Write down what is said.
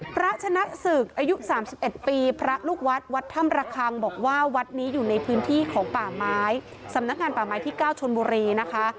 พระชนะศึกอายุ๓๑ปีพระลูกวัดวัดถ้ำระคังบอกว่าวัดนี้อยู่ในพื้นที่ของป่าไม้สำนักงานป่าไม้ที่๙ชนบุรีนะคะ